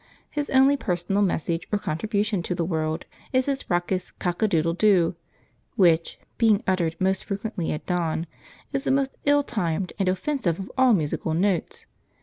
His only personal message or contribution to the world is his raucous cock a doodle doo, which, being uttered most frequently at dawn, is the most ill timed and offensive of all musical notes.